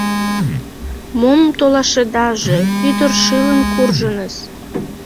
— Мом толашедаже, ӱдыр шылын куржыныс.